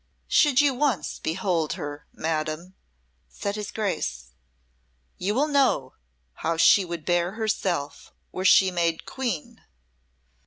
"Should you once behold her, madam," said his Grace, "you will know how she would bear herself were she made Queen."